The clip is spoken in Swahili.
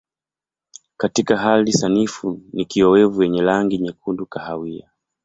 Katika hali sanifu ni kiowevu yenye rangi nyekundu kahawia.